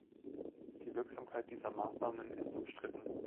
Die Wirksamkeit dieser Maßnahmen ist umstritten.